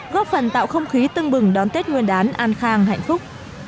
góp phần tạo không khí tưng bừng đón tết nguyên đán an khang hạnh phúc